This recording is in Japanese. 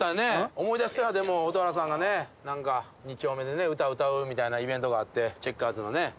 思い出したら、蛍原さんがね、なんか、２丁目で歌歌うみたいなイベントがあってね、チェッカーズのね。